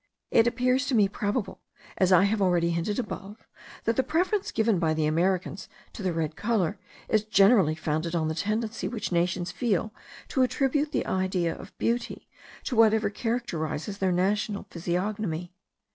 It appears to me probable, as I have already hinted above, that the preference given by the Americans to the red colour is generally founded on the tendency which nations feel to attribute the idea of beauty to whatever characterises their national physiognomy.